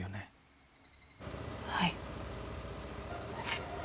はい。